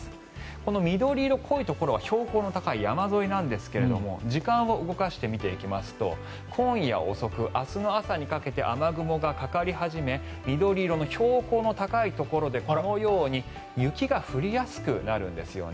この緑色、濃いところは標高の高い山沿いなんですが時間を動かして見ていきますと今夜遅く、明日の朝にかけて雨雲がかかり始め緑色の標高の高いところでこのように雪が降りやすくなるんですよね。